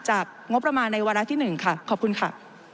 งบประมาณในวาระที่๑ค่ะขอบคุณค่ะ